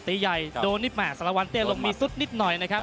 ตีใหญ่โดนนิดแห่สารวันเตี้ยลงมีซุดนิดหน่อยนะครับ